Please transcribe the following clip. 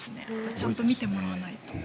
ちゃんと見てもらわないと。